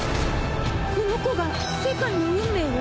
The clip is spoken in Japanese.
この子が世界の運命を？